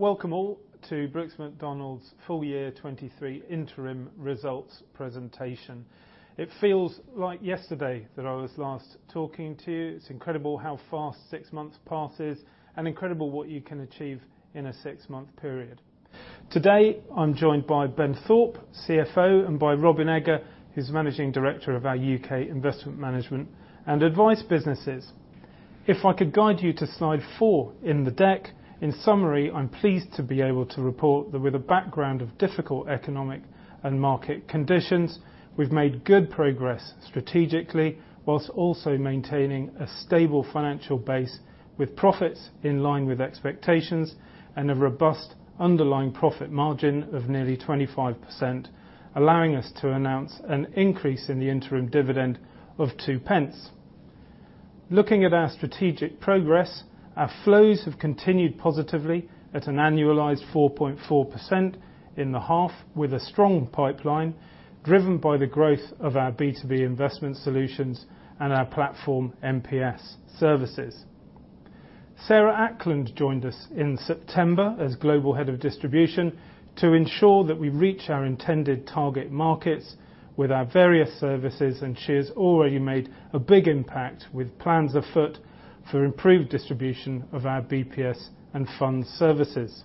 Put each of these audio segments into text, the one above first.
Welcome all to Brooks Macdonald's full year 2023 interim results presentation. It feels like yesterday that I was last talking to you. It's incredible how fast six months passes, and incredible what you can achieve in a six-month period. Today, I'm joined by Ben Thorpe, CFO, and by Robin Eggar, who's Managing Director of our UK Investment Management and advice businesses. If I could guide you to slide four in the deck. In summary, I'm pleased to be able to report that with a background of difficult economic and market conditions, we've made good progress strategically, while also maintaining a stable financial base, with profits in line with expectations and a robust underlying profit margin of nearly 25%, allowing us to announce an increase in the interim dividend of 0.02. Looking at our strategic progress, our flows have continued positively at an annualized 4.4% in the half, with a strong pipeline driven by the growth of our B2B Investment Solutions and our platform MPS services. Sarah Ackland joined us in September as Global Head of Distribution to ensure that we reach our intended target markets with our various services. She has already made a big impact with plans afoot for improved distribution of our BPS and fund services.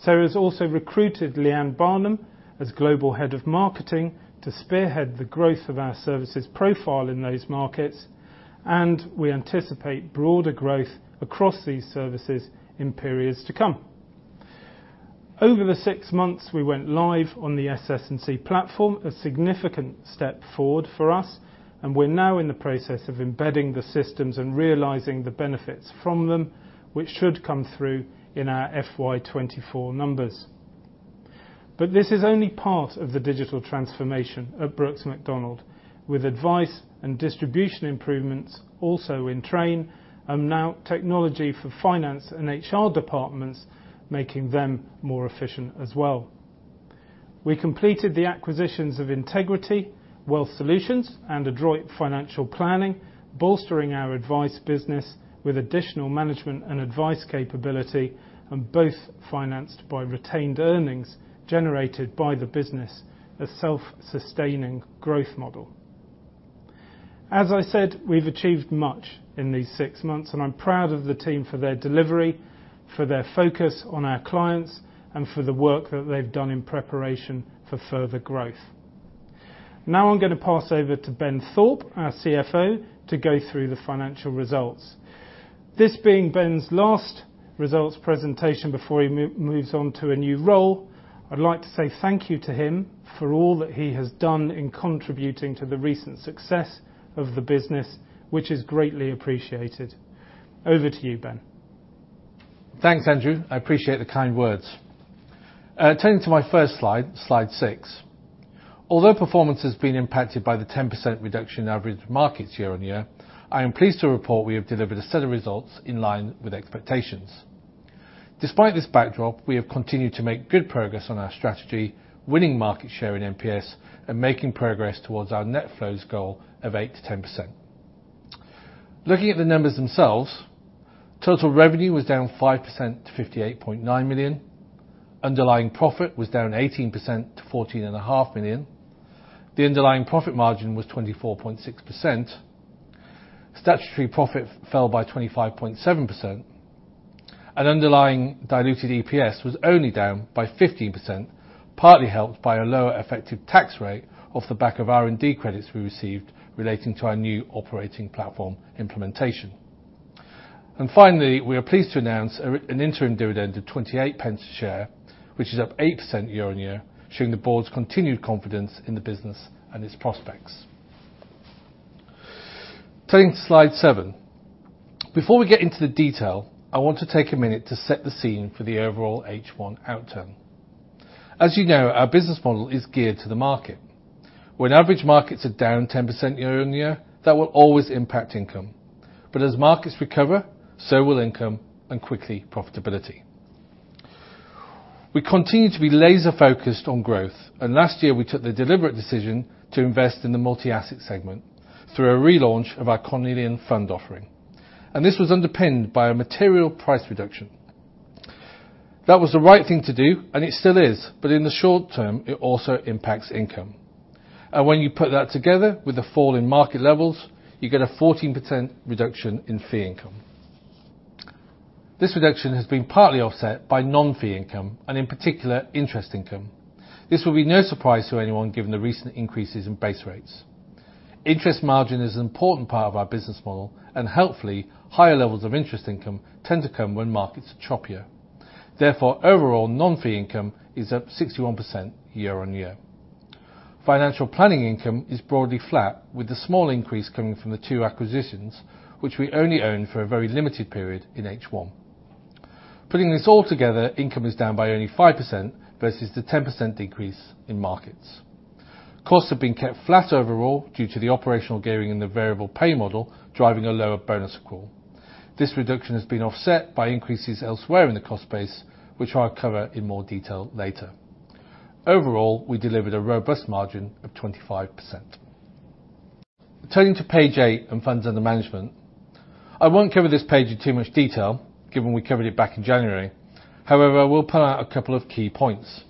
Sarah's also recruited Leanne Barnham as Global Head of Marketing to spearhead the growth of our services profile in those markets. We anticipate broader growth across these services in periods to come. Over the six months, we went live on the SS&C platform, a significant step forward for us, and we're now in the process of embedding the systems and realizing the benefits from them, which should come through in our FY 2024 numbers. This is only part of the digital transformation at Brooks Macdonald, with advice and distribution improvements also in train and now technology for finance and HR departments, making them more efficient as well. We completed the acquisitions of Integrity Wealth Solutions and Adroit Financial Planning, bolstering our advice business with additional management and advice capability, and both financed by retained earnings generated by the business, a self-sustaining growth model. As I said, we've achieved much in these six months, and I'm proud of the team for their delivery, for their focus on our clients, and for the work that they've done in preparation for further growth. Now I'm gonna pass over to Ben Thorpe, our CFO, to go through the financial results. This being Ben's last results presentation before he moves on to a new role, I'd like to say thank you to him for all that he has done in contributing to the recent success of the business, which is greatly appreciated. Over to you, Ben. Thanks, Andrew. I appreciate the kind words. Turning to my first slide six. Although performance has been impacted by the 10% reduction in average markets year-on-year, I am pleased to report we have delivered a set of results in line with expectations. Despite this backdrop, we have continued to make good progress on our strategy, winning market share in MPS and making progress towards our net flows goal of 8%-10%. Looking at the numbers themselves, total revenue was down 5% to 58.9 million. Underlying profit was down 18% to 14.5 million. The underlying profit margin was 24.6%. Statutory profit fell by 25.7%. Underlying diluted EPS was only down by 15%, partly helped by a lower effective tax rate off the back of R&D credits we received relating to our new operating platform implementation. Finally, we are pleased to announce an interim dividend of 28 pence a share, which is up 8% year-on-year, showing the board's continued confidence in the business and its prospects. Turning to slide seven. Before we get into the detail, I want to take a minute to set the scene for the overall H1 outturn. As you know, our business model is geared to the market. When average markets are down 10% year-on-year, that will always impact income. As markets recover, so will income, and quickly, profitability. We continue to be laser-focused on growth. Last year we took the deliberate decision to invest in the multi-asset segment through a relaunch of our Cornelian fund offering. This was underpinned by a material price reduction. That was the right thing to do, and it still is. In the short term it also impacts income. When you put that together with the fall in market levels, you get a 14% reduction in fee income. This reduction has been partly offset by non-fee income and, in particular, interest income. This will be no surprise to anyone given the recent increases in base rates. Interest margin is an important part of our business model. Helpfully, higher levels of interest income tend to come when markets are choppier. Therefore, overall non-fee income is up 61% year on year. Financial planning income is broadly flat, with the small increase coming from the two acquisitions, which we only owned for a very limited period in H1. Putting this all together, income is down by only 5% versus the 10% decrease in markets. Costs have been kept flat overall due to the operational gearing in the variable pay model, driving a lower bonus accrual. This reduction has been offset by increases elsewhere in the cost base, which I'll cover in more detail later. Overall, we delivered a robust margin of 25%. Turning to page eight and funds under management. I won't cover this page in too much detail given we covered it back in January. We'll pull out a couple of key points.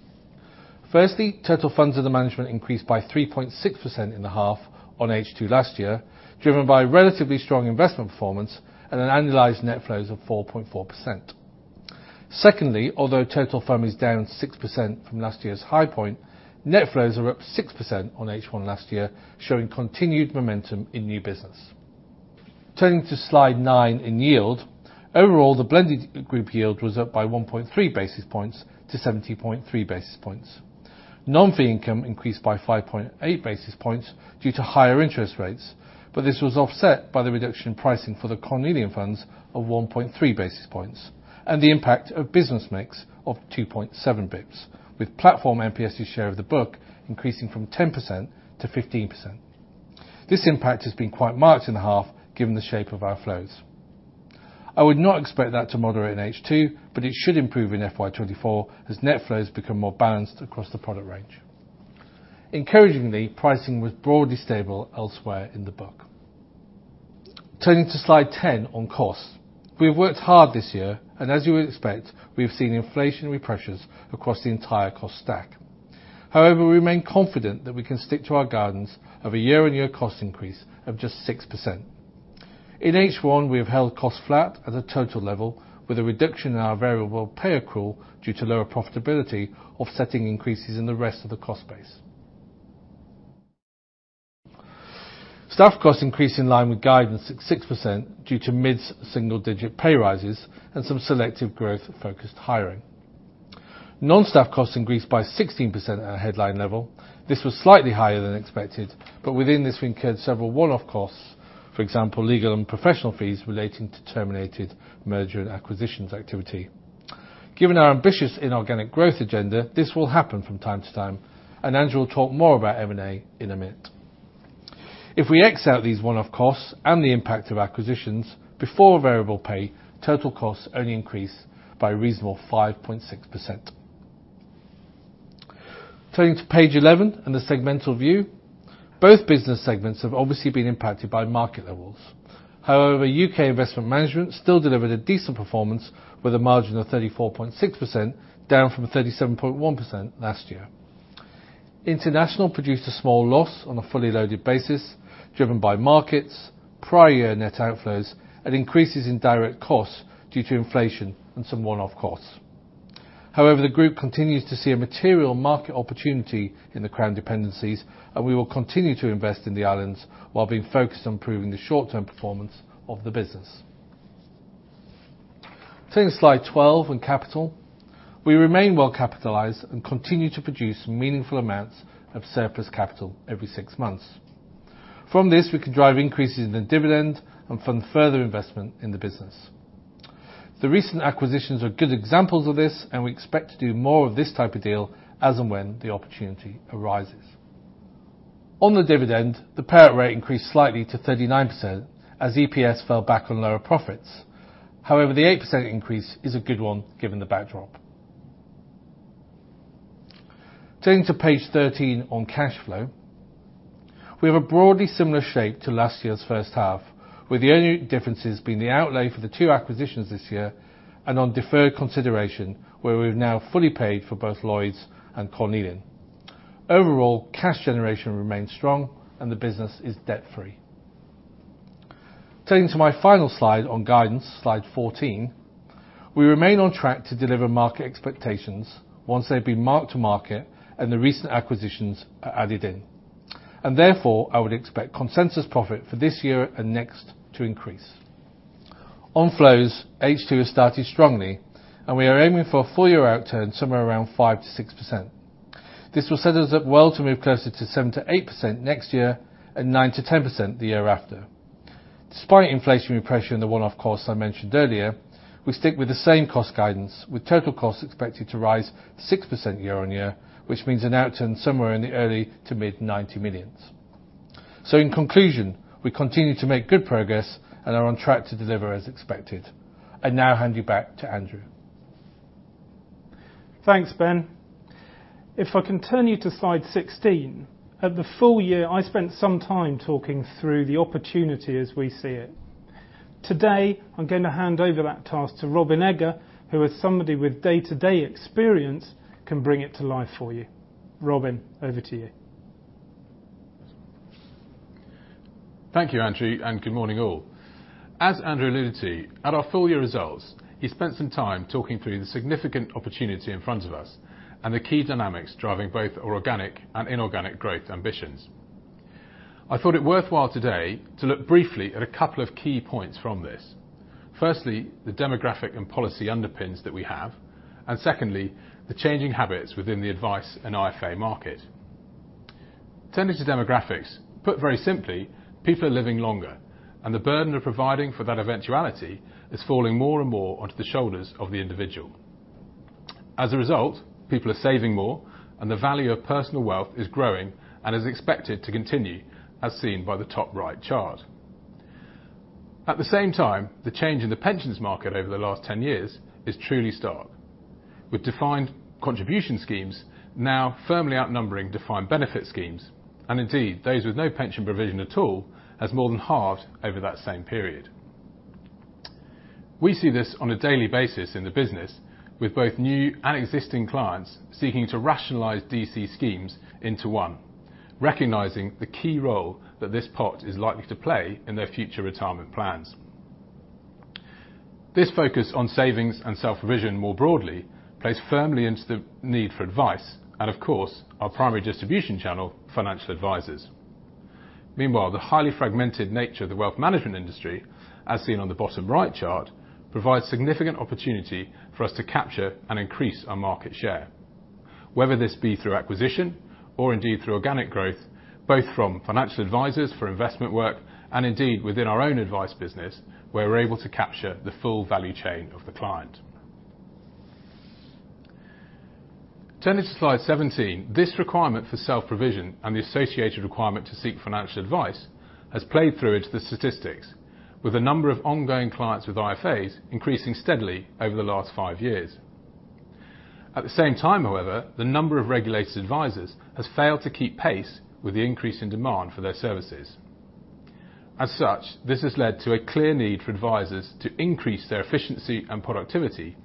Firstly, total funds under management increased by 3.6% in the half on H2 last year, driven by relatively strong investment performance and an annualized net flows of 4.4%. Secondly, although total firm is down 6% from last year's high point, net flows are up 6% on H1 last year, showing continued momentum in new business. Turning to slide nine in yield. Overall, the blended group yield was up by 1.3 basis points to 70.3 basis points. Non-fee income increased by 5.8 basis points due to higher interest rates, but this was offset by the reduction in pricing for the Cornelian funds of 1.3 basis points and the impact of business mix of 2.7 bps, with platform MPS's share of the book increasing from 10% to 15%. This impact has been quite marked in half given the shape of our flows. I would not expect that to moderate in H2, but it should improve in FY24 as net flows become more balanced across the product range. Encouragingly, pricing was broadly stable elsewhere in the book. Turning to slide 10 on costs. We've worked hard this year, as you would expect, we've seen inflationary pressures across the entire cost stack. We remain confident that we can stick to our guidance of a year-on-year cost increase of just 6%. In H1, we have held costs flat at a total level with a reduction in our variable pay accrual due to lower profitability, offsetting increases in the rest of the cost base. Staff costs increased in line with guidance at 6% due to mid-single-digit pay rises and some selective growth-focused hiring. Non-staff costs increased by 16% at a headline level. This was slightly higher than expected, but within this, we incurred several one-off costs, for example, legal and professional fees relating to terminated merger and acquisitions activity. Given our ambitious inorganic growth agenda, this will happen from time to time, Andrew will talk more about M&A in a minute. If we x out these one-off costs and the impact of acquisitions before variable pay, total costs only increase by a reasonable 5.6%. Turning to page 11 and the segmental view. Both business segments have obviously been impacted by market levels. However, UK Investment Management still delivered a decent performance with a margin of 34.6%, down from 37.1% last year. International produced a small loss on a fully loaded basis, driven by markets, prior year net outflows, and increases in direct costs due to inflation and some one-off costs. The group continues to see a material market opportunity in the Crown dependencies, and we will continue to invest in the islands while being focused on improving the short-term performance of the business. Turning to slide 12 on capital. We remain well-capitalized and continue to produce meaningful amounts of surplus capital every six months. From this, we can drive increases in the dividend and fund further investment in the business. The recent acquisitions are good examples of this, and we expect to do more of this type of deal as and when the opportunity arises. On the dividend, the payout rate increased slightly to 39% as EPS fell back on lower profits. However, the 8% increase is a good one given the backdrop. Turning to page 13 on cash flow. We have a broadly similar shape to last year's first half, with the only differences being the outlay for the two acquisitions this year and on deferred consideration, where we've now fully paid for both Lloyds and Cornelian. Overall, cash generation remains strong and the business is debt-free. Turning to my final slide on guidance, slide 14. We remain on track to deliver market expectations once they've been marked to market and the recent acquisitions are added in. Therefore, I would expect consensus profit for this year and next to increase. On flows, H2 has started strongly, and we are aiming for a full year outturn somewhere around 5%-6%. This will set us up well to move closer to 7%-8% next year and 9%-10% the year after. Despite inflationary pressure in the one-off costs I mentioned earlier, we stick with the same cost guidance, with total costs expected to rise 6% year-on-year, which means an outturn somewhere in the early to mid 90 millions. In conclusion, we continue to make good progress and are on track to deliver as expected. I now hand you back to Andrew. Thanks, Ben. If I can turn you to slide 16. At the full year, I spent some time talking through the opportunity as we see it. Today, I'm gonna hand over that task to Robin Eggar, who as somebody with day-to-day experience, can bring it to life for you. Robin, over to you. Thank you, Andrew, and good morning all. As Andrew alluded to, at our full year results, he spent some time talking through the significant opportunity in front of us and the key dynamics driving both organic and inorganic growth ambitions. I thought it worthwhile today to look briefly at a couple of key points from this. Firstly, the demographic and policy underpins that we have, and secondly, the changing habits within the advice and IFA market. Turning to demographics, put very simply, people are living longer and the burden of providing for that eventuality is falling more and more onto the shoulders of the individual. As a result, people are saving more and the value of personal wealth is growing and is expected to continue as seen by the top right chart. At the same time, the change in the pensions market over the last 10 years is truly stark, with defined contribution schemes now firmly outnumbering defined benefit schemes, and indeed, those with no pension provision at all has more than halved over that same period. We see this on a daily basis in the business with both new and existing clients seeking to rationalize DC schemes into one, recognizing the key role that this part is likely to play in their future retirement plans. This focus on savings and self-provision more broadly plays firmly into the need for advice, and of course, our primary distribution channel, financial advisors. Meanwhile, the highly fragmented nature of the wealth management industry, as seen on the bottom right chart, provides significant opportunity for us to capture and increase our market share, whether this be through acquisition or indeed through organic growth, both from financial advisors for investment work and indeed within our own advice business, where we're able to capture the full value chain of the client. Turning to slide 17, this requirement for self-provision and the associated requirement to seek financial advice has played through into the statistics with a number of ongoing clients with IFAs increasing steadily over the last five years. At the same time, however, the number of regulated advisors has failed to keep pace with the increase in demand for their services. As such, this has led to a clear need for advisors to increase their efficiency and productivity,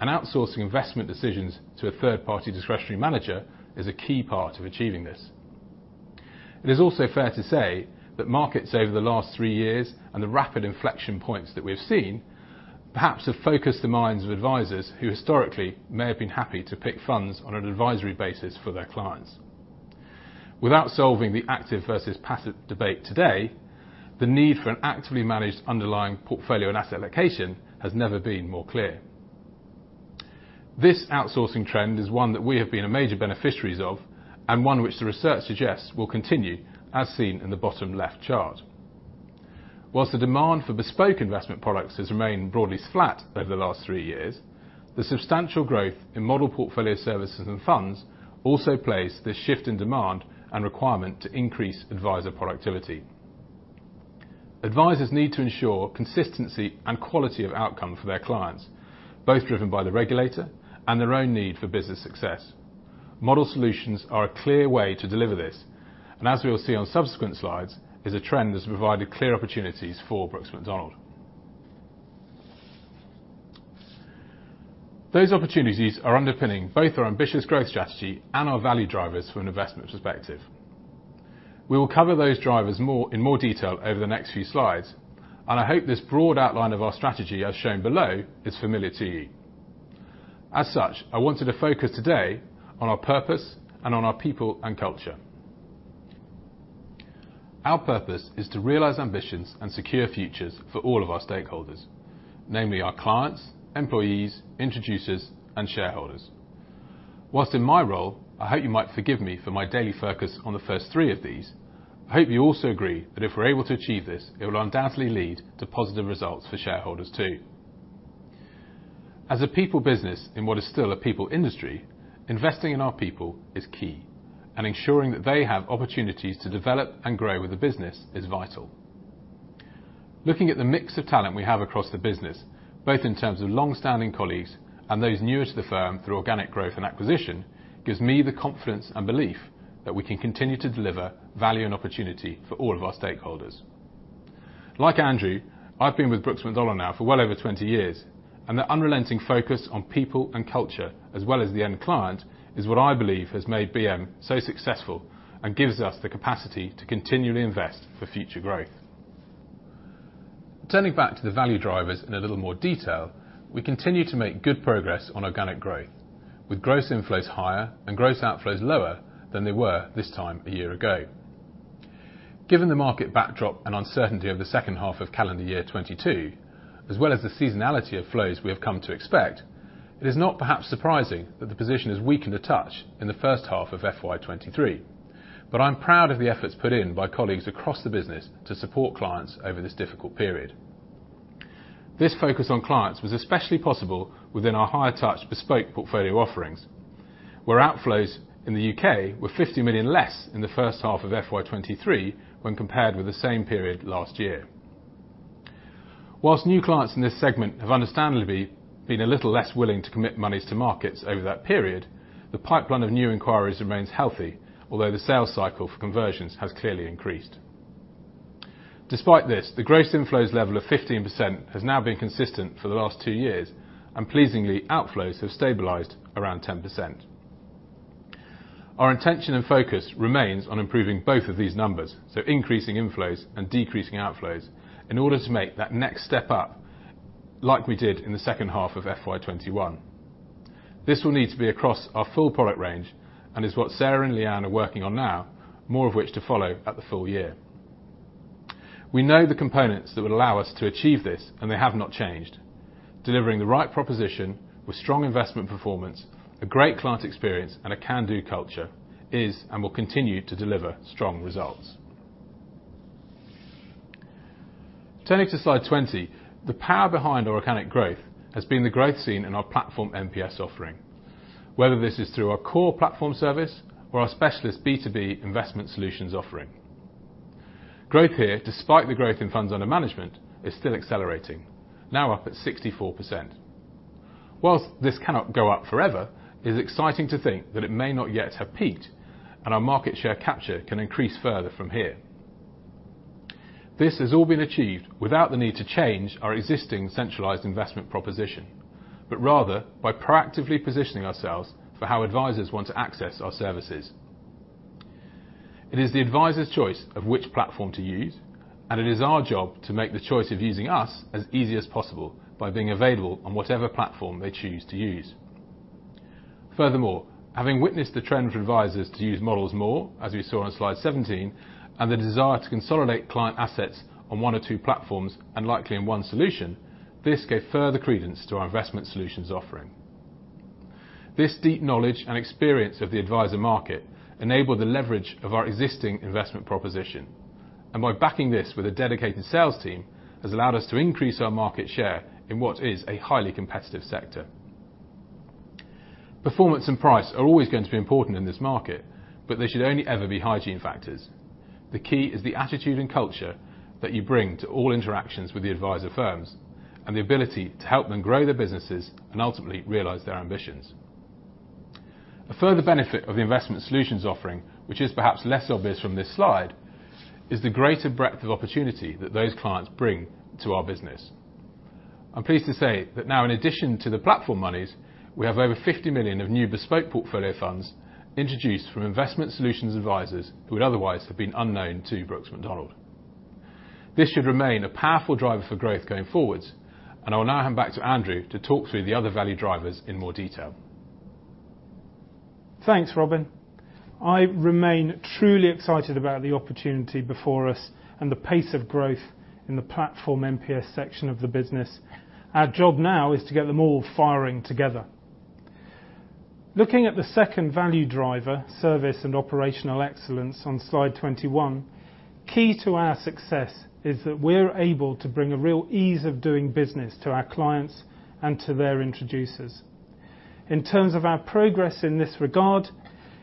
and outsourcing investment decisions to a third-party discretionary manager is a key part of achieving this. It is also fair to say that markets over the last three years and the rapid inflection points that we have seen perhaps have focused the minds of advisors who historically may have been happy to pick funds on an advisory basis for their clients. Without solving the active versus passive debate today, the need for an actively managed underlying portfolio and asset allocation has never been more clear. This outsourcing trend is one that we have been a major beneficiaries of and one which the research suggests will continue as seen in the bottom left chart. Whilst the demand for bespoke investment products has remained broadly flat over the last three years, the substantial growth in model portfolio services and funds also plays the shift in demand and requirement to increase advisor productivity. Advisors need to ensure consistency and quality of outcome for their clients, both driven by the regulator and their own need for business success. Model solutions are a clear way to deliver this, and as we will see on subsequent slides, is a trend that's provided clear opportunities for Brooks Macdonald. Those opportunities are underpinning both our ambitious growth strategy and our value drivers from an investment perspective. We will cover those drivers more, in more detail over the next few slides, and I hope this broad outline of our strategy as shown below is familiar to you. As such, I wanted to focus today on our purpose and on our people and culture. Our purpose is to realize ambitions and secure futures for all of our stakeholders, namely our clients, employees, introducers, and shareholders. Whilst in my role, I hope you might forgive me for my daily focus on the first three of these, I hope you also agree that if we're able to achieve this, it will undoubtedly lead to positive results for shareholders too. As a people business in what is still a people industry, investing in our people is key, and ensuring that they have opportunities to develop and grow with the business is vital. Looking at the mix of talent we have across the business, both in terms of long-standing colleagues and those newer to the firm through organic growth and acquisition, gives me the confidence and belief that we can continue to deliver value and opportunity for all of our stakeholders. Like Andrew, I've been with Brooks Macdonald now for well over 20 years. The unrelenting focus on people and culture as well as the end client is what I believe has made BM so successful and gives us the capacity to continually invest for future growth. Turning back to the value drivers in a little more detail, we continue to make good progress on organic growth, with gross inflows higher and gross outflows lower than they were this time a year ago. Given the market backdrop and uncertainty of the second half of calendar year 2022, as well as the seasonality of flows we have come to expect, it is not perhaps surprising that the position has weakened a touch in the first half of FY23. I'm proud of the efforts put in by colleagues across the business to support clients over this difficult period. This focus on clients was especially possible within our high-touch bespoke portfolio offerings, where outflows in the U.K. were 50 million less in the first half of FY 2023 when compared with the same period last year. Whilst new clients in this segment have understandably been a little less willing to commit monies to markets over that period, the pipeline of new inquiries remains healthy, although the sales cycle for conversions has clearly increased. Despite this, the gross inflows level of 15% has now been consistent for the last two years, and pleasingly, outflows have stabilized around 10%. Our intention and focus remains on improving both of these numbers, so increasing inflows and decreasing outflows, in order to make that next step up like we did in the second half of FY 2021. This will need to be across our full product range and is what Sarah and Leanne are working on now, more of which to follow at the full year. We know the components that would allow us to achieve this, and they have not changed. Delivering the right proposition with strong investment performance, a great client experience, and a can-do culture is and will continue to deliver strong results. Turning to slide 20, the power behind organic growth has been the growth seen in our platform MPS offering. Whether this is through our core platform service or our specialist B2B investment solutions offering. Growth here, despite the growth in funds under management, is still accelerating, now up at 64%. Whilst this cannot go up forever, it is exciting to think that it may not yet have peaked, and our market share capture can increase further from here. This has all been achieved without the need to change our existing centralized investment proposition, but rather by proactively positioning ourselves for how advisors want to access our services. It is the advisor's choice of which platform to use, and it is our job to make the choice of using us as easy as possible by being available on whatever platform they choose to use. Furthermore, having witnessed the trend for advisors to use models more, as we saw on slide 17, and the desire to consolidate client assets on one or two platforms, and likely in one solution, this gave further credence to our investment solutions offering. This deep knowledge and experience of the advisor market enabled the leverage of our existing investment proposition. By backing this with a dedicated sales team, has allowed us to increase our market share in what is a highly competitive sector. Performance and price are always going to be important in this market, but they should only ever be hygiene factors. The key is the attitude and culture that you bring to all interactions with the advisor firms and the ability to help them grow their businesses and ultimately realize their ambitions. A further benefit of the investment solutions offering, which is perhaps less obvious from this slide, is the greater breadth of opportunity that those clients bring to our business. I'm pleased to say that now in addition to the platform monies, we have over 50 million of new bespoke portfolio funds introduced from Investment Solutions Advisors who would otherwise have been unknown to Brooks Macdonald. This should remain a powerful driver for growth going forward. I will now hand back to Andrew to talk through the other value drivers in more detail. Thanks, Robin. I remain truly excited about the opportunity before us and the pace of growth in the platform MPS section of the business. Our job now is to get them all firing together. Looking at the second value driver, service and operational excellence on slide 21, key to our success is that we're able to bring a real ease of doing business to our clients and to their introducers. In terms of our progress in this regard,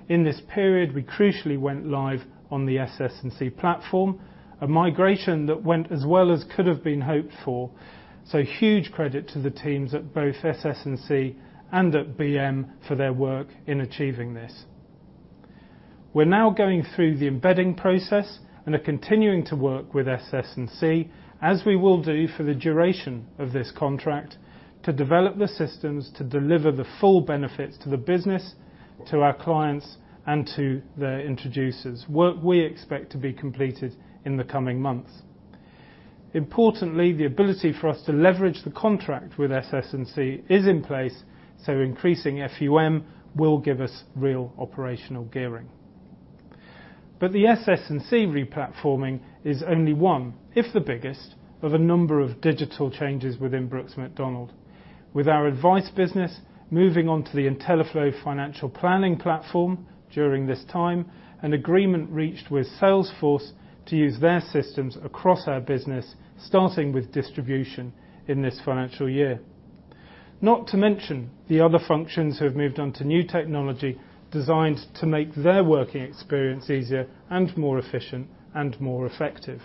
in this period, we crucially went live on the SS&C platform, a migration that went as well as could have been hoped for. Huge credit to the teams at both SS&C and at BM for their work in achieving this. We're now going through the embedding process and are continuing to work with SS&C, as we will do for the duration of this contract, to develop the systems to deliver the full benefits to the business, to our clients, and to their introducers. Work we expect to be completed in the coming months. Importantly, the ability for us to leverage the contract with SS&C is in place, increasing FUM will give us real operational gearing. The SS&C replatforming is only one, if the biggest, of a number of digital changes within Brooks Macdonald. With our advice business moving on to the intelliflo financial planning platform during this time, an agreement reached with Salesforce to use their systems across our business, starting with distribution in this financial year. Not to mention the other functions who have moved on to new technology designed to make their working experience easier and more efficient and more effective.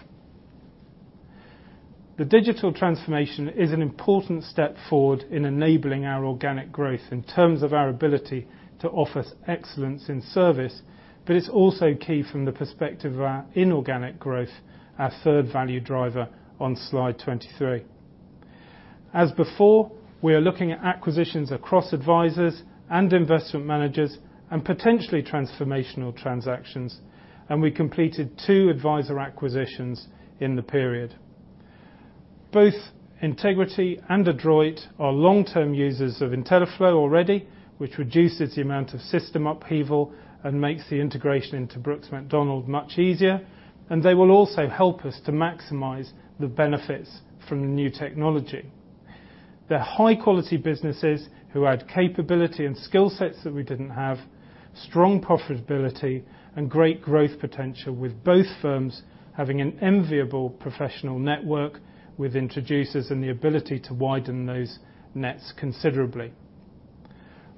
The digital transformation is an important step forward in enabling our organic growth in terms of our ability to offer excellence in service, but it's also key from the perspective of our inorganic growth, our third value driver on slide 23. As before, we are looking at acquisitions across advisors and investment managers and potentially transformational transactions, and we completed two advisor acquisitions in the period. Both Integrity and Adroit are long-term users of intelliflo already, which reduces the amount of system upheaval and makes the integration into Brooks Macdonald much easier, and they will also help us to maximize the benefits from the new technology. They're high-quality businesses who add capability and skill sets that we didn't have, strong profitability and great growth potential with both firms having an enviable professional network with introducers and the ability to widen those nets considerably.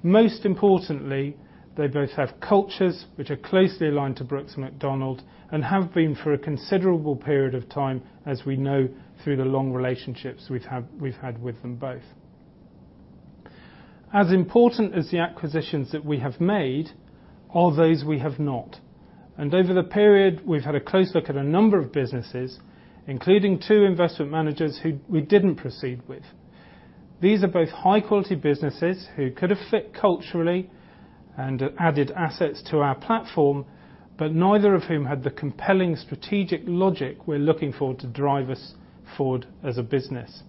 Most importantly, they both have cultures which are closely aligned to Brooks Macdonald and have been for a considerable period of time, as we know through the long relationships we've had with them both. As important as the acquisitions that we have made are those we have not. Over the period, we've had a close look at a number of businesses, including two investment managers who we didn't proceed with. These are both high-quality businesses who could have fit culturally and added assets to our platform, neither of whom had the compelling strategic logic we're looking for to drive us forward as a business.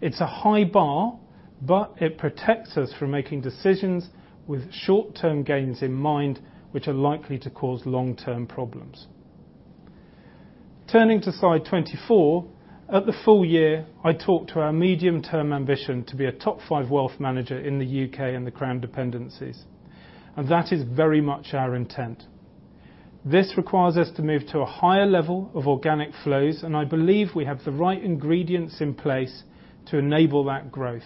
It's a high bar, but it protects us from making decisions with short-term gains in mind, which are likely to cause long-term problems. Turning to slide 24, at the full year, I talked to our medium-term ambition to be a top five wealth manager in the UK and the Crown Dependencies. That is very much our intent. This requires us to move to a higher level of organic flows, and I believe we have the right ingredients in place to enable that growth.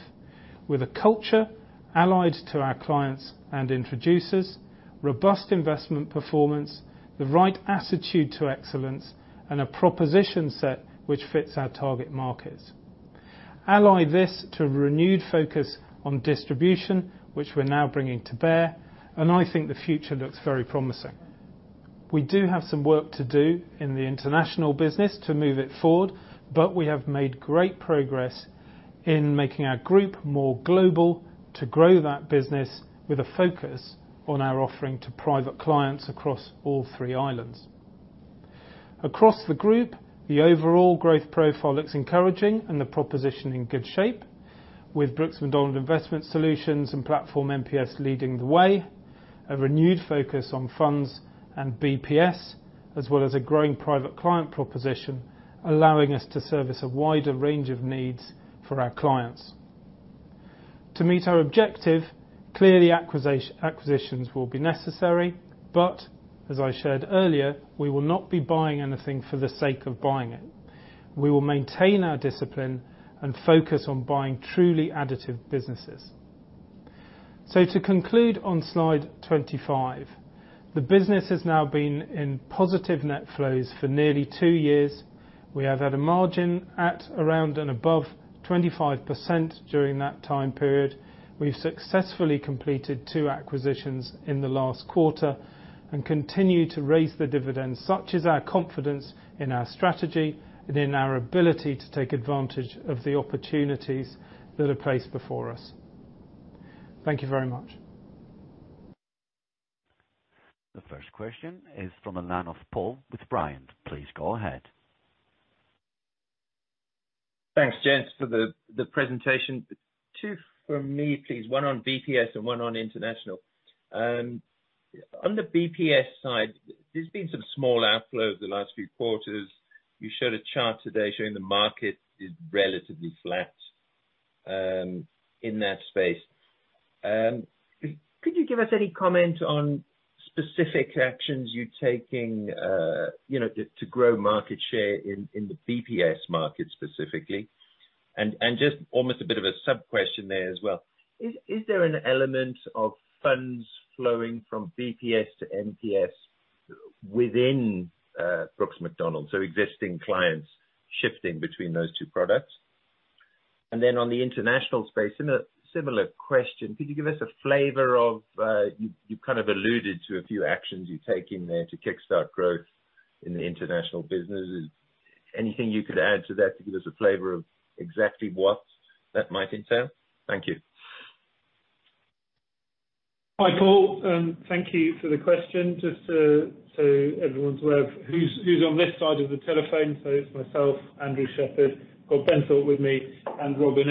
With a culture allied to our clients and introducers, robust investment performance, the right attitude to excellence, and a proposition set which fits our target markets. Ally this to a renewed focus on distribution, which we're now bringing to bear. I think the future looks very promising. We do have some work to do in the international business to move it forward, but we have made great progress in making our group more global to grow that business with a focus on our offering to private clients across all three islands. Across the group, the overall growth profile looks encouraging and the proposition in good shape. With Brooks Macdonald Investment Solutions and platform MPS leading the way, a renewed focus on funds and BPS, as well as a growing private client proposition, allowing us to service a wider range of needs for our clients. To meet our objective, clearly acquisitions will be necessary, but as I shared earlier, we will not be buying anything for the sake of buying it. We will maintain our discipline and focus on buying truly additive businesses. To conclude on slide 25, the business has now been in positive net flows for nearly two years. We have had a margin at around and above 25% during that time period. We've successfully completed two acquisitions in the last quarter and continue to raise the dividend. Such is our confidence in our strategy and in our ability to take advantage of the opportunities that are placed before us. Thank you very much. The first question is from Alan of Paul, with Brian. Please go ahead. Thanks, gents, for the presentation. Two from me, please, one on BPS and one on international. On the BPS side, there's been some small outflow over the last few quarters. You showed a chart today showing the market is relatively flat in that space. Could you give us any comment on specific actions you're taking, you know, to grow market share in the BPS market specifically? Just almost a bit of a sub-question there as well. Is there an element of funds flowing from BPS to MPS within Brooks Macdonald? Existing clients shifting between those two products. On the international space, similar question, could you give us a flavor of... You kind of alluded to a few actions you're taking there to kickstart growth in the international business. Anything you could add to that to give us a flavor of exactly what that might entail? Thank you. Hi, Paul. Thank you for the question. Just so everyone's aware of who's on this side of the telephone. It's myself, Andrew Shepherd. Got Ben Thorpe with me and Robin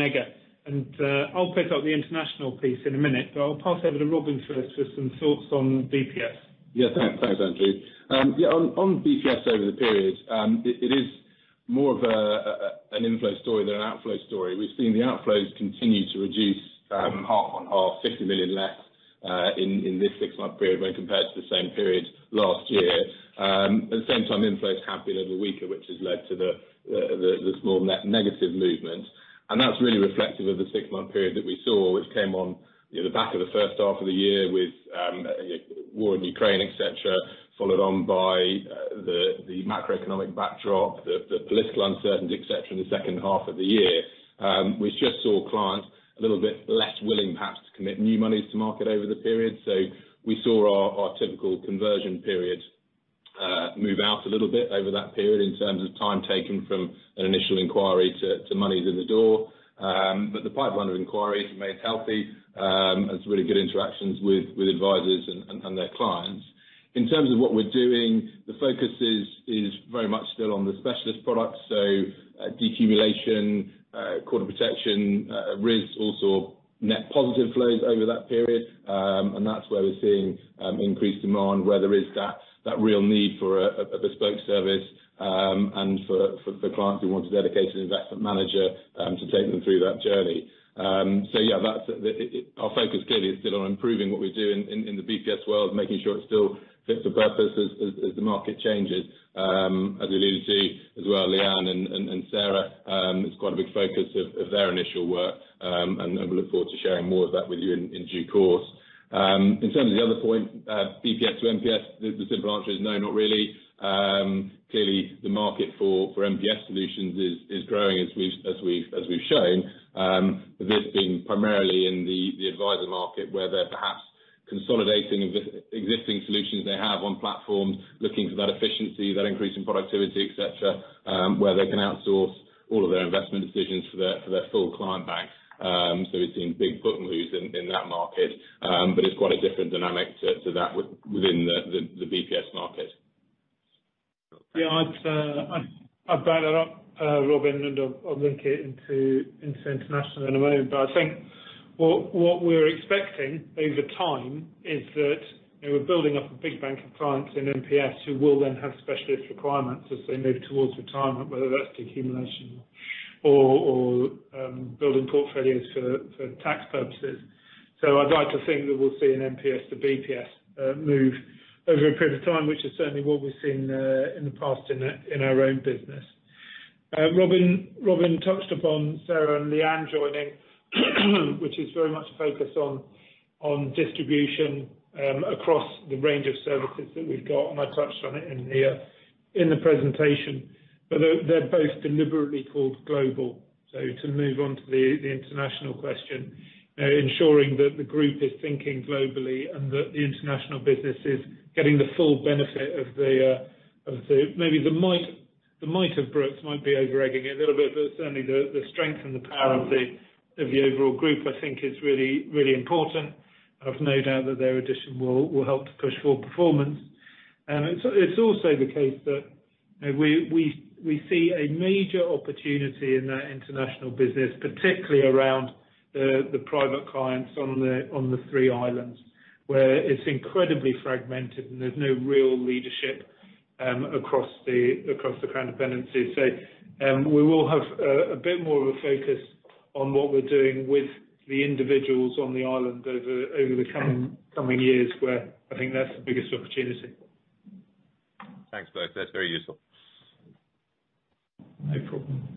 Eggar. I'll pick up the international piece in a minute, but I'll pass over to Robin first for some thoughts on BPS. Yeah. Thanks, Andrew. Yeah, on BPS over the period, it is more of an inflow story than an outflow story. We've seen the outflows continue to reduce, half on half, 50 million less in this six-month period when compared to the same period last year. At the same time, inflows have been a little weaker, which has led to the small negative movement. That's really reflective of the six-month period that we saw, which came on, you know, the back of the first half of the year with war in Ukraine, et cetera, followed on by the macroeconomic backdrop, the political uncertainty, et cetera, in the second half of the year. We just saw clients a little bit less willing perhaps to commit new monies to market over the period. We saw our typical conversion period move out a little bit over that period in terms of time taken from an initial inquiry to monies in the door. The pipeline of inquiries remained healthy as really good interactions with advisers and their clients. In terms of what we're doing, the focus is very much still on the specialist products. Decumulation, quarter protection, risk also net positive flows over that period. That's where we're seeing increased demand, where there is that real need for a bespoke service, and for clients who want a dedicated investment manager to take them through that journey. Yeah, that's the. Our focus clearly is still on improving what we do in the BPS world, making sure it still fits the purpose as the market changes. As we alluded to as well, Leanne and Sarah, it's quite a big focus of their initial work. And we look forward to sharing more of that with you in due course. In terms of the other point, BPS to MPS, the simple answer is no, not really. Clearly the market for MPS Solutions is growing as we've shown. This being primarily in the advisor market, where they're perhaps consolidating existing solutions they have on platform, looking for that efficiency, that increase in productivity, et cetera, where they can outsource all of their investment decisions for their full client bank. We've seen big footloose in that market. It's quite a different dynamic to that within the BPS market. Yeah. I'd back that up, Robin, and I'll link it into international in a moment. I think what we're expecting over time is that we're building up a big bank of clients in MPS who will then have specialist requirements as they move towards retirement, whether that's decumulation Building portfolios for tax purposes. I'd like to think that we'll see an MPS to BPS move over a period of time, which is certainly what we're seeing in the past in our own business. Robin touched upon Sarah and Leanne joining which is very much focused on distribution across the range of services that we've got, and I touched on it in here in the presentation. They're both deliberately called global. To move on to the international question, ensuring that the group is thinking globally and that the international business is getting the full benefit of the might of Brooks might be over-egging it a little bit, but certainly the strength and the power of the overall group, I think is really important. I've no doubt that their addition will help to push for performance. It's also the case that we see a major opportunity in that international business, particularly around the private clients on the three islands, where it's incredibly fragmented and there's no real leadership across the Crown dependencies. We will have a bit more of a focus on what we're doing with the individuals on the island over the coming years, where I think that's the biggest opportunity. Thanks, both. That's very useful. No problem.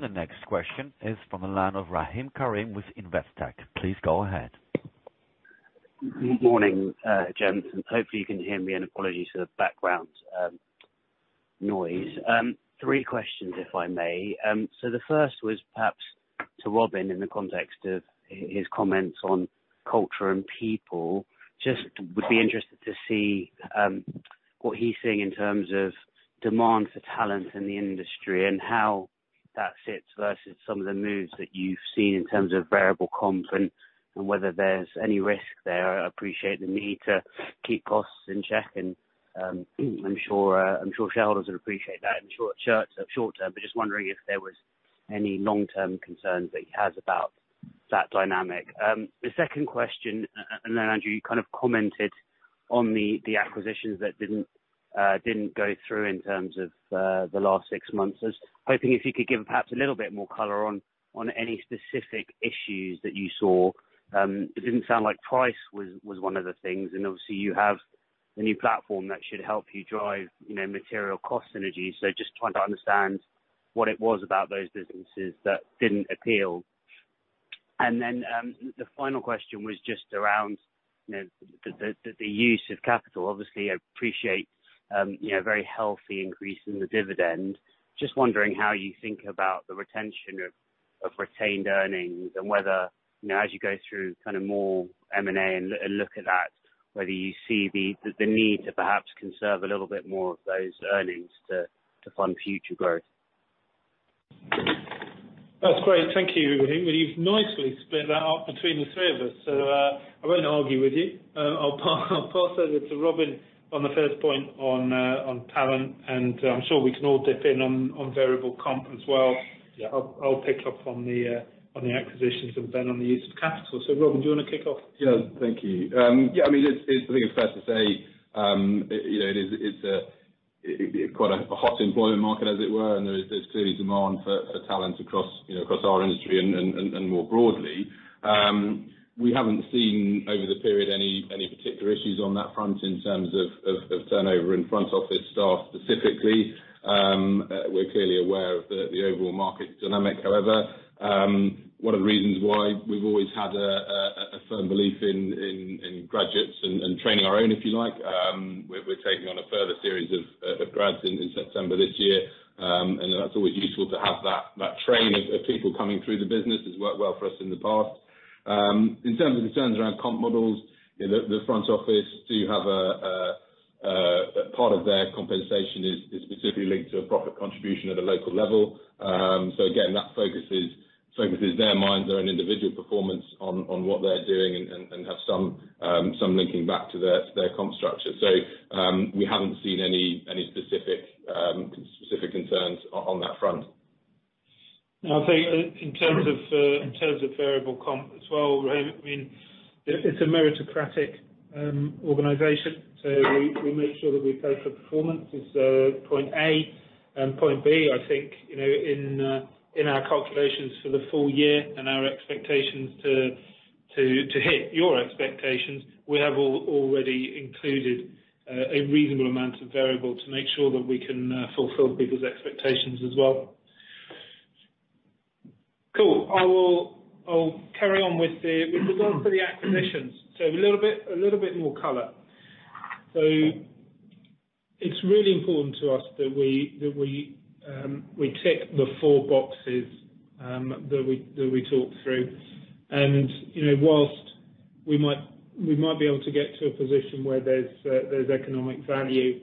The next question is from the line of Rahim Karim with Investec. Please go ahead. Morning, gents. Hopefully you can hear me and apologies for the background noise. Three questions if I may. The first was perhaps to Robin in the context of his comments on culture and people. Just would be interested to see what he's seeing in terms of demand for talent in the industry and how that sits versus some of the moves that you've seen in terms of variable comp and whether there's any risk there. I appreciate the need to keep costs in check, and I'm sure shareholders would appreciate that in short-term. Just wondering if there was any long-term concerns that he has about that dynamic. The second question, Andrew, you kind of commented on the acquisitions that didn't go through in terms of the last six months. I was hoping if you could give perhaps a little bit more color on any specific issues that you saw. It didn't sound like price was one of the things, and obviously you have the new platform that should help you drive, you know, material cost synergies. Just trying to understand what it was about those businesses that didn't appeal. The final question was just around, you know, the use of capital. Obviously, I appreciate, you know, very healthy increase in the dividend. Just wondering how you think about the retention of retained earnings and whether, you know, as you go through kind of more M&A and look at that, whether you see the need to perhaps conserve a little bit more of those earnings to fund future growth. That's great. Thank you, Rahim. You've nicely split that up between the three of us. I won't argue with you. I'll pass over to Robin on the first point on talent. I'm sure we can all dip in on variable comp as well. Yeah. I'll pick up on the on the acquisitions and then on the use of capital. Robin, do you wanna kick off? Yeah, thank you. Yeah, I mean, it's I think it's fair to say, you know, it is, it's a, quite a hot employment market as it were, and there is, there's clearly demand for talent across, you know, across our industry and more broadly. We haven't seen over the period any particular issues on that front in terms of turnover in front office staff specifically. We're clearly aware of the overall market dynamic. However, one of the reasons why we've always had a firm belief in graduates and training our own, if you like, we're taking on a further series of grads in September this year. That's always useful to have that train of people coming through the business. It's worked well for us in the past. In terms of the concerns around comp models, you know, the front office do have a part of their compensation is specifically linked to a profit contribution at a local level. Again, that focuses their minds or an individual performance on what they're doing and have some linking back to their comp structure. We haven't seen any specific concerns on that front. I think in terms of in terms of variable comp as well, Rahim, I mean, it's a meritocratic organization. We make sure that we pay for performance is point A. Point B, I think, you know, in our calculations for the full year and our expectations to hit your expectations, we have already included a reasonable amount of variable to make sure that we can fulfill people's expectations as well. Cool. I'll carry on with regard to the acquisitions. A little bit more color. It's really important to us that we tick the four boxes that we talk through. You know, whilst we might be able to get to a position where there's economic value,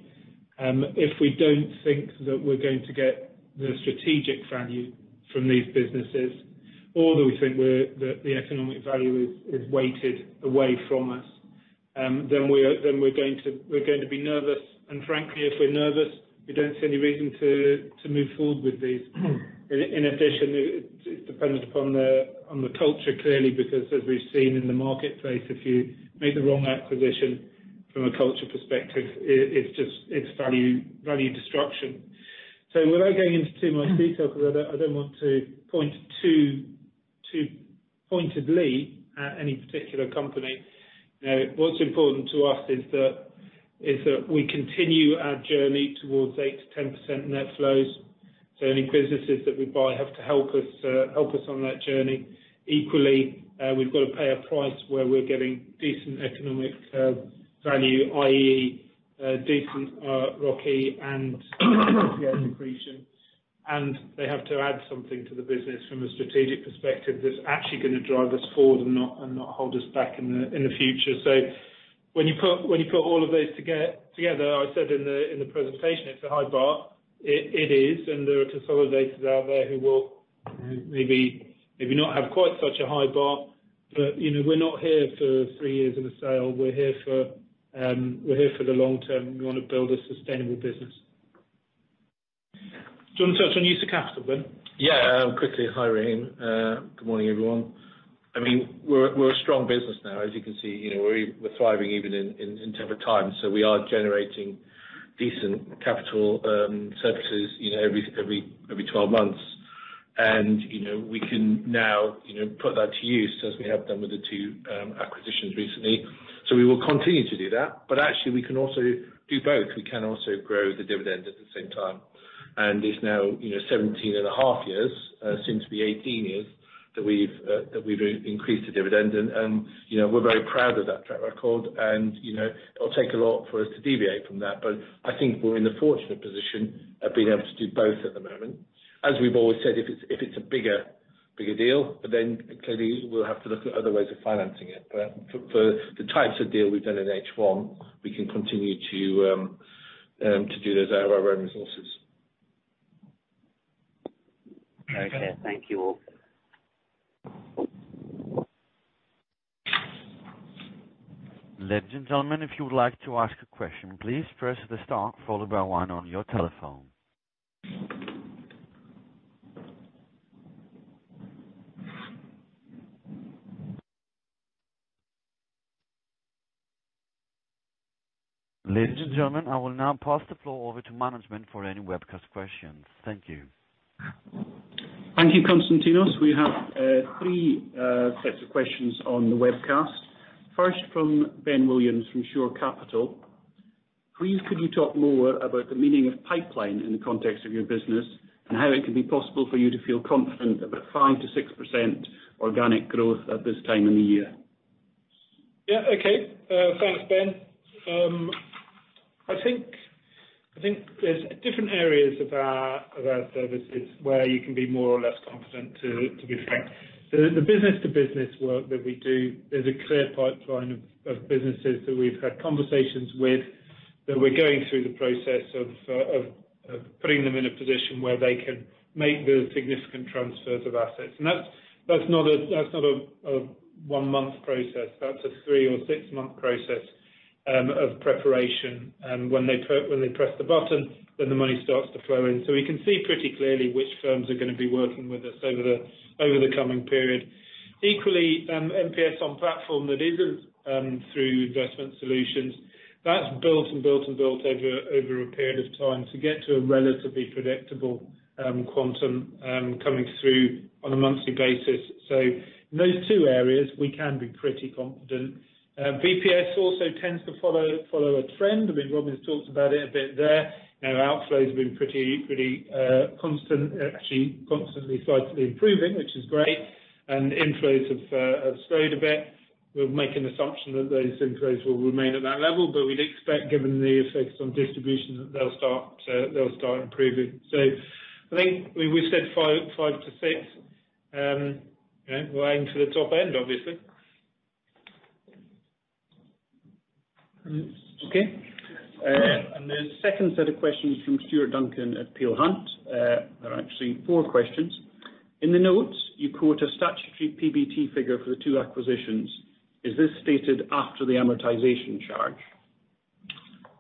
if we don't think that we're going to get the strategic value from these businesses or that we think that the economic value is weighted away from us, then we're going to be nervous. Frankly, if we're nervous, we don't see any reason to move forward with these. In addition, it depends upon the culture, clearly, because as we've seen in the marketplace, if you make the wrong acquisition from a culture perspective, it's just value destruction. Without going into too much detail because I don't want to point too pointedly at any particular company. What's important to us is that we continue our journey towards 8%-10% net flows. Any businesses that we buy have to help us help us on that journey. Equally, we've got to pay a price where we're getting decent economic value, i.e., decent ROCE and, yeah, accretion. They have to add something to the business from a strategic perspective that's actually gonna drive us forward and not hold us back in the future. When you put all of those together, I said in the presentation it's a high bar. It is, there are consolidators out there who will maybe not have quite such a high bar, but, you know, we're not here for three years and a sale. We're here for, we're here for the long term. We wanna build a sustainable business. Do you want to touch on use of capital, Ben? Yeah, quickly. Hi, Rain. Good morning, everyone. I mean, we're a strong business now, as you can see. You know, we're thriving even in tougher times. We are generating decent capital surpluses, you know, every 12 months. We can now, you know, put that to use as we have done with the two acquisitions recently. We will continue to do that. Actually we can also do both. We can also grow the dividend at the same time. It's now, you know, 17 and a half years, soon to be 18 years that we've increased the dividend. You know, we're very proud of that track record and, you know, it'll take a lot for us to deviate from that. I think we're in the fortunate position of being able to do both at the moment. As we've always said, if it's a bigger deal, clearly we'll have to look at other ways of financing it. For the types of deal we've done in H1, we can continue to do those out of our own resources. Okay. Thank you all. Ladies and gentlemen, if you would like to ask a question, please press the star followed by one on your telephone. Ladies and gentlemen, I will now pass the floor over to management for any webcast questions. Thank you. Thank you, Constantinos. We have three sets of questions on the webcast. First from Ben Williams from Shore Capital. Please, could you talk more about the meaning of pipeline in the context of your business, and how it can be possible for you to feel confident about 5%-6% organic growth at this time in the year? Okay. Thanks, Ben. I think there's different areas of our services where you can be more or less confident, to be frank. The business to business work that we do, there's a clear pipeline of businesses that we've had conversations with that we're going through the process of putting them in a position where they can make the significant transfers of assets. That's not a one-month process. That's a three or six-month process of preparation. When they press the button, then the money starts to flow in. We can see pretty clearly which firms are gonna be working with us over the coming period. Equally, MPS on platform that isn't through Investment Solutions, that's built and built and built over a period of time to get to a relatively predictable quantum coming through on a monthly basis. In those two areas, we can be pretty confident. BPS also tends to follow a trend. I mean, Robin's talked about it a bit there. You know, outflows have been pretty constant, actually constantly slightly improving, which is great. Inflows have slowed a bit. We'll make an assumption that those inflows will remain at that level, but we'd expect, given the effects on distribution, that they'll start, they'll start improving. I think we've said 5-6. You know, we're aiming for the top end, obviously. The second set of questions from Stuart Duncan at Peel Hunt. There are actually four questions. In the notes, you quote a statutory PBT figure for the two acquisitions. Is this stated after the amortization charge?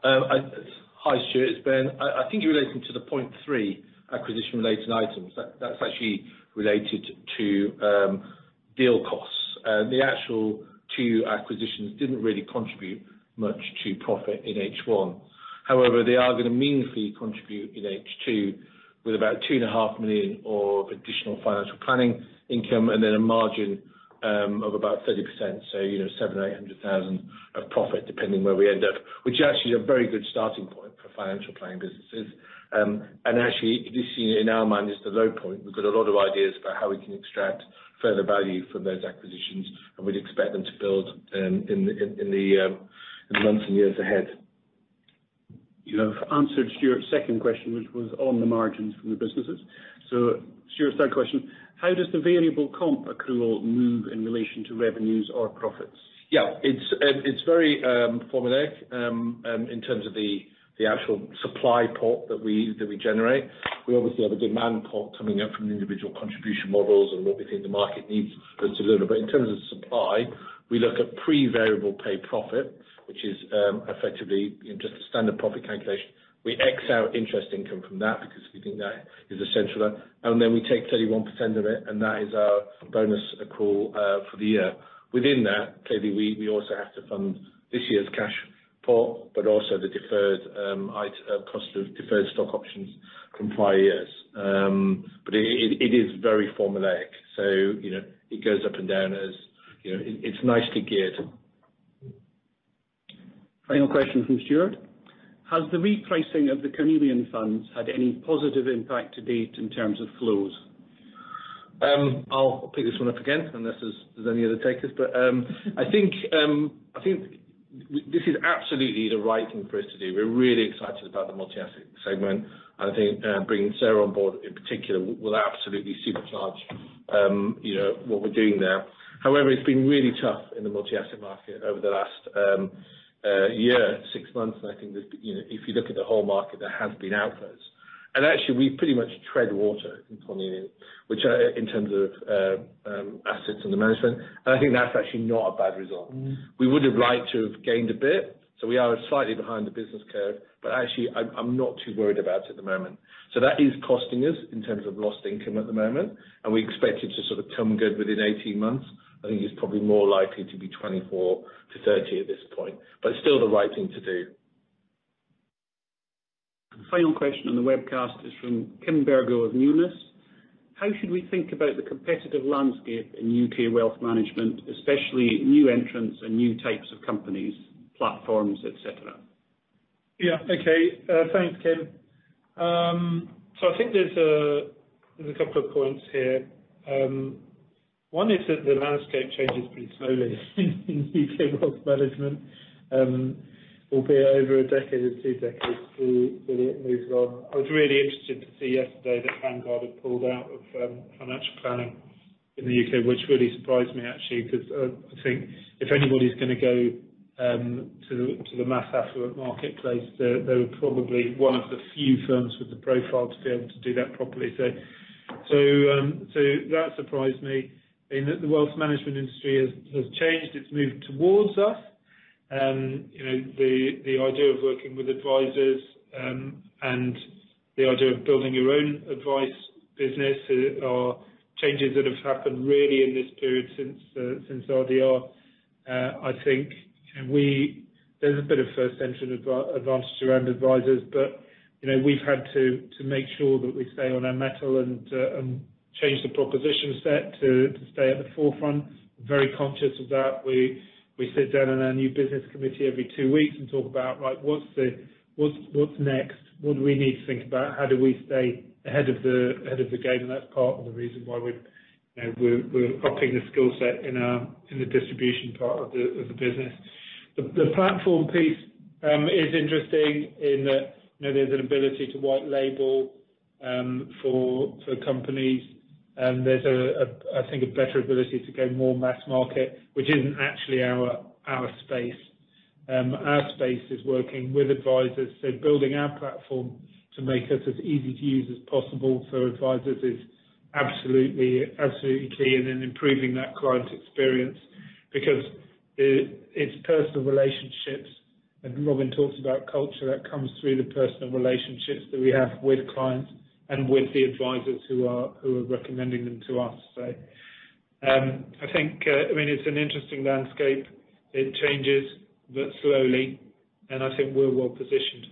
Hi, Stuart. It's Ben. I think you're relating to the point 3 acquisition-related items. That's actually related to deal costs. The actual two acquisitions didn't really contribute much to profit in H1. They are gonna meaningfully contribute in H2 with about 2.5 million of additional financial planning income, and then a margin of about 30%. You know, 700,000-800,000 of profit, depending where we end up. Which actually is a very good starting point for financial planning businesses. And actually, this, you know, in our mind is the low point. We've got a lot of ideas about how we can extract further value from those acquisitions, and we'd expect them to build in the months and years ahead. You have answered Stuart's second question, which was on the margins from the businesses. Stuart's third question, how does the variable comp accrual move in relation to revenues or profits? Yeah? It's very formulaic in terms of the actual supply pot that we generate. We obviously have a demand pot coming up from the individual contribution models and what we think the market needs us to deliver. In terms of supply, we look at pre-variable pay profit, which is effectively, you know, just a standard profit calculation. We X out interest income from that because we think that is essential. Then we take 31% of it, and that is our bonus accrual for the year. Within that, clearly, we also have to fund this year's cash, but also the deferred cost of deferred stock options from prior years. It is very formulaic. You know, it goes up and down as, you know... It's nicely geared. Final question from Stuart. Has the repricing of the Cornelian funds had any positive impact to date in terms of flows? I'll pick this one up again, unless there's any other takers. I think this is absolutely the right thing for us to do. We're really excited about the multi-asset segment. I think bringing Sarah on board in particular will absolutely supercharge, you know, what we're doing there. However, it's been really tough in the multi-asset market over the last year, six months. I think there's, you know, if you look at the whole market, there has been outflows. Actually we pretty much tread water in Chameleon, which, in terms of assets under management. I think that's actually not a bad result. We would have liked to have gained a bit, so we are slightly behind the business curve. Actually I'm not too worried about it at the moment. That is costing us in terms of lost income at the moment, and we expect it to sort of come good within 18 months. I think it's probably more likely to be 24-30 at this point. It's still the right thing to do. Final question on the webcast is from Kim Bergoz of Numis. How should we think about the competitive landscape in UK wealth management, especially new entrants and new types of companies, platforms, et cetera? Yeah, okay. Thanks, Kim. I think there's a couple of points here. One is that the landscape changes pretty slowly in U.K. wealth management. Albeit over a decade or two decades till it moves on. I was really interested to see yesterday that Vanguard had pulled out of financial planning in the U.K., which really surprised me actually, 'cause I think if anybody's gonna go to the mass affluent marketplace, they're, they were probably one of the few firms with the profile to be able to do that properly. That surprised me. In the wealth management industry has changed. It's moved towards us. You know, the idea of working with advisers, and the idea of building your own advice business are changes that have happened really in this period since RDR. I think, you know, There's a bit of first entry advantage around advisers but, you know, we've had to make sure that we stay on our mettle and change the proposition set to stay at the forefront. Very conscious of that. We sit down in our new business committee every two weeks and talk about, like, what's next? What do we need to think about? How do we stay ahead of the game? That's part of the reason why we've, you know, we're upping the skill set in the distribution part of the business. The platform piece, is interesting in that, you know, there's an ability to white label, for companies. There's a, I think a better ability to go more mass market, which isn't actually our space. Our space is working with advisors, so building our platform to make us as easy to use as possible for advisors is absolutely key. Improving that client experience because it's personal relationships. Robin talks about culture that comes through the personal relationships that we have with clients and with the advisors who are recommending them to us. I think, I mean, it's an interesting landscape. It changes but slowly, and I think we're well positioned.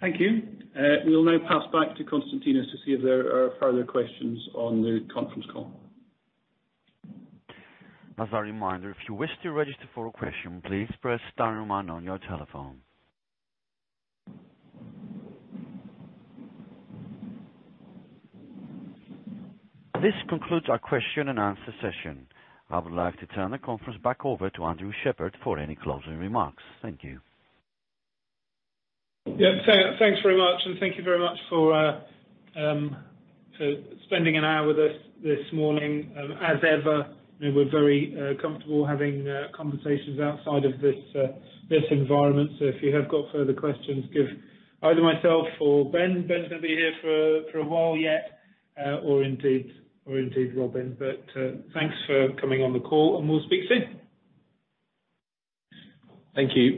Thank you. We'll now pass back to Constantinos to see if there are further questions on the conference call. As a reminder, if you wish to register for a question, please press star one on your telephone. This concludes our question and answer session. I would like to turn the conference back over to Andrew Shepherd for any closing remarks. Thank you. Yeah. Thanks very much, and thank you very much for spending an hour with us this morning. As ever, you know, we're very comfortable having conversations outside of this environment. If you have got further questions, give either myself or Ben. Ben's gonna be here for a while yet, or indeed Robin. Thanks for coming on the call, and we'll speak soon. Thank you.